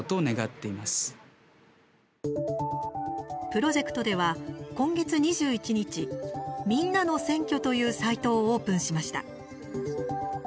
プロジェクトでは、今月２１日「みんなの選挙」というサイトをオープンしました。